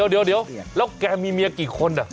โอ้ย๔๖เออเดี๋ยวแล้วแกมีเมียกี่คนอ่ะ